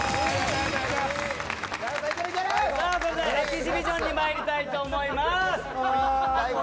それではエキシビションに参りたいと思います。